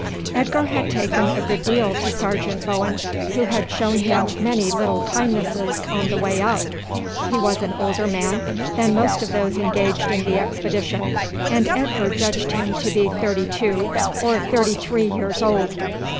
Edgar had taken a good deal to Sergeant Bowen, who had shown him many little kindnesses on the way up. He was an older man than most of those engaged in the expedition, and Edgar judged him to be thirty two or thirty three years old.